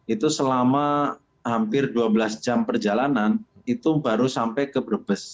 itu selama hampir dua belas jam perjalanan itu baru sampai ke brebes